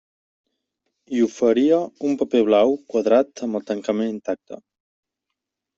I oferia un paper blau quadrat amb el tancament intacte.